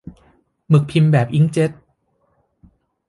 หมึกพิมพ์แบบอิงก์เจ็ต